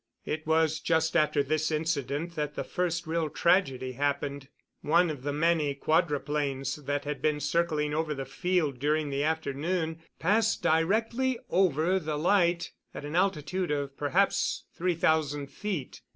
It was just after this incident that the first real tragedy happened. One of the many quadruplanes that had been circling over the field during the afternoon passed directly over the light at an altitude of perhaps three thousand feet.